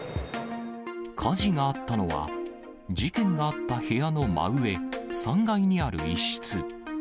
火事があったのは、事件があった部屋の真上、３階にある一室。